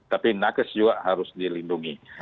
tapi nakes juga harus dilindungi